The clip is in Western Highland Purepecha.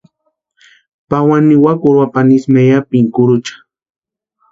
Pawani niwakani Uruapani isï meyapini kurucha.